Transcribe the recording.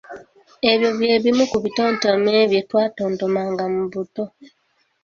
Ebyo nno bye bimu ku bitontome bye twatontomanga mu buto.